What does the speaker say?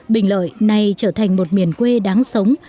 bình lợi nay trở thành một miền quê đáng sống